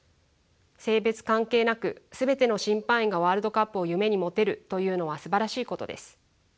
性別関係なく全ての審判員がワールドカップを夢に持てるというのはすばらしいことです。